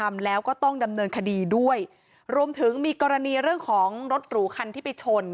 ทำแล้วก็ต้องดำเนินคดีด้วยรวมถึงมีกรณีเรื่องของรถหรูคันที่ไปชน